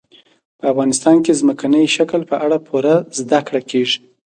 په افغانستان کې د ځمکني شکل په اړه پوره زده کړه کېږي.